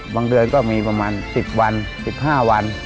เดือนก็มีประมาณ๑๐วัน๑๕วัน